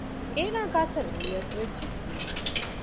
އޭނާ ގާތަށް ރުޅިއަތުވެއްޖެ